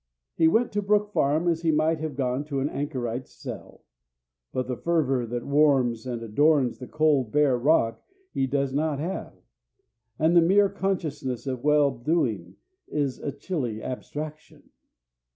He went to Brook Farm as he might have gone to an anchorite's cell; but the fervor that warms and adorns the cold bare rock he does not have, and the mere consciousness of well doing is a chilly abstraction.